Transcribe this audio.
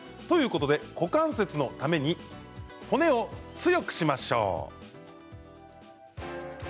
ということで股関節のために骨を強くしましょう。